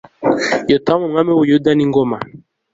Yotamu umwami w u Buyuda n ingoma